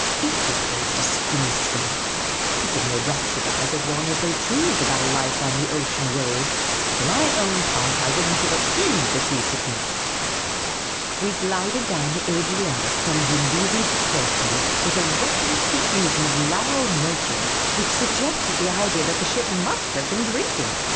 It behaved disgracefully. People may rhapsodise as long as they choose about a life on the ocean wave; for my own part, I would n't give a pin for sea sick nes.s. We glided down the Adriatic from Brindisi to Corfu with a reckless profusion of lateral motion which suggested the idea that the ship must have been drinking.